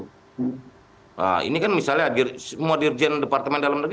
nah ini kan misalnya semua dirjen departemen dalam negeri